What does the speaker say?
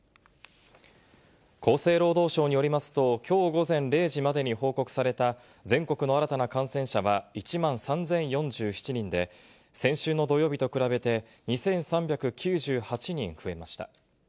厚生労働省によりますと、きょう午前０時までに報告された全国の新たな感染者は１万３０４７人で、先週の土曜日と比べて２３９８人増えました。